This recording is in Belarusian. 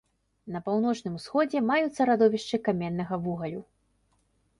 На паўночным усходзе маюцца радовішчы каменнага вугалю.